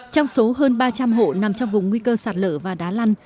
trong số hơn ba trăm linh hộ nằm trong vùng nguy cơ sạt lở và đá lăn